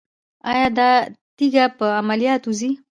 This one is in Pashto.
ایا دا تیږه په عملیات وځي؟